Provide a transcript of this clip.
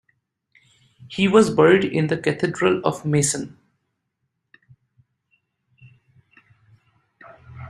He was buried in the Cathedral of Meissen.